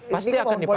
pasti akan dipakai